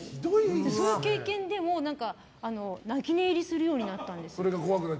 そういう経験で泣き寝入りするようになったんです。